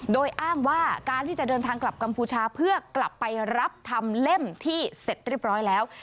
โดยอ้างว่าการที่จะเดินทางกลับกัมพูชาเพื่อกลับไปรับทำเล่มที่เสร็จเรียบร้อยแล้ว